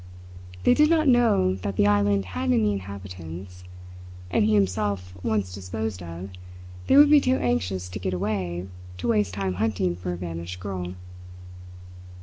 They did not know that the island had any inhabitants; and he himself once disposed of, they would be too anxious to get away to waste time hunting for a vanished girl.